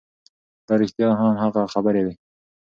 دا رښتیا هم هغه خبرې وې